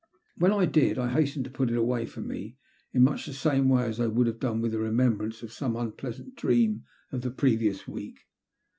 When I did I hastened to put it away from me in much the same way as I would have done the remembrance of some unpleasant dream of the previous week.